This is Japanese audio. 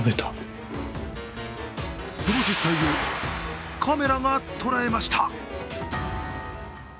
その実態をカメラが捉えました。